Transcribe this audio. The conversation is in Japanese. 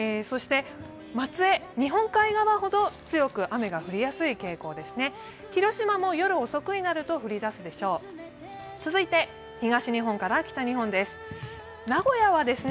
松江、日本海側ほど強く雨が降りやすい傾向ですね。